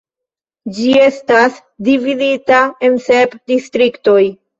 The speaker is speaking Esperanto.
Ĝi estas dividita en sep distriktoj.